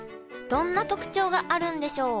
どんな特徴があるんでしょう？